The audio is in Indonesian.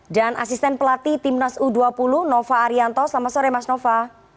dan asisten pelatih timnas u dua puluh nova arianto selamat sore mas nova